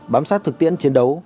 bám sát thực tiễn chiến đấu